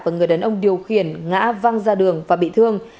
và người đàn ông điều khiển ngã văng ra đường và bị thương